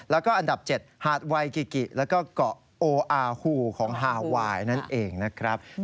แล้วก็อันดับ๗หาดไวกิกิแล้วก็เกาะโออาร์ฮูของฮาไวน์นั่นเองนะครับ